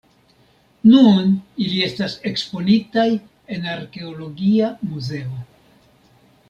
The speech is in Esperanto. Nun ili etas eksponitaj en Arkeologia Muzeo.